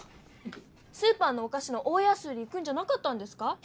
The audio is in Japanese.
スーパーのおかしの大やす売り行くんじゃなかったんですか？